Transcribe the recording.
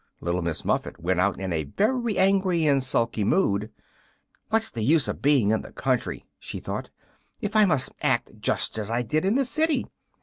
Little Miss Muffet went out in a very angry and sulky mood. "What's the use of being in the country," she thought, "if I must act just as I did in the city?